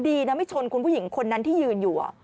ดีนะไม่ชนคุณผู้หญิงคนนั้นที่ยืนอยู่